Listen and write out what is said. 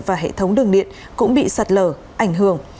và hệ thống đường điện cũng bị sạt lở ảnh hưởng